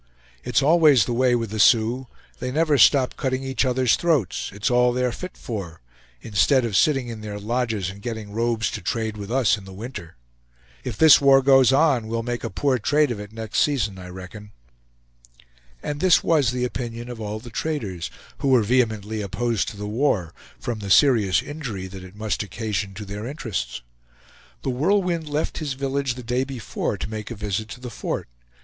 It's always the way with the Sioux; they never stop cutting each other's throats; it's all they are fit for; instead of sitting in their lodges, and getting robes to trade with us in the winter. If this war goes on, we'll make a poor trade of it next season, I reckon." And this was the opinion of all the traders, who were vehemently opposed to the war, from the serious injury that it must occasion to their interests. The Whirlwind left his village the day before to make a visit to the fort.